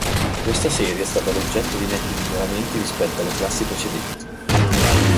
Questa serie è stata l'oggetto di netti miglioramenti rispetto alle classi precedenti.